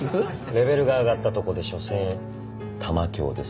レベルが上がったとこでしょせん玉響です。